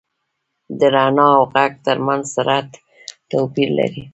• د رڼا او ږغ تر منځ سرعت توپیر لري.